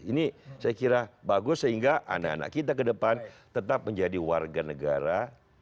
ini saya kira bagus sehingga anak anak kita ke depan tetap menjadi warga negara